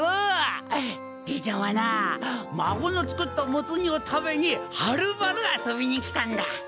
じいちゃんはな孫の作ったモツ煮を食べにはるばる遊びに来たんだ。